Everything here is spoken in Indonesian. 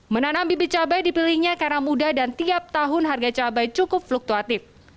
menanam bibit cabai dipilihnya karena mudah dan tiap tahun harga cabai cukup fluktuatif